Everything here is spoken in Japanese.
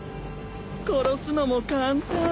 殺すのも簡単。